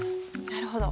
なるほど。